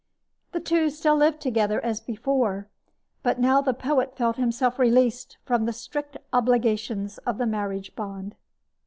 The two still lived together as before; but now the poet felt himself released from the strict obligations of the marriage bond.